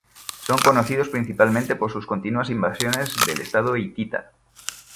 Son conocidos principalmente por sus continuas invasiones del Estado hitita.